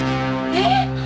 えっ！？